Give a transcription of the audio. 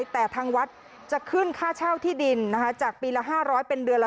แต่ทางวัดจะขึ้นค่าเช่าที่ดินจากปีละ๕๐๐เป็นเดือนละ